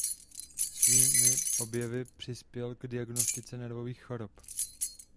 Svými objevy přispěl k diagnostice nervových chorob.